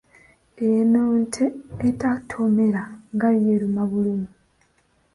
Eno nte etatomera nga yo eruma bulumi.